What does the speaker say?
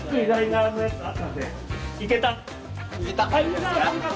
いけた！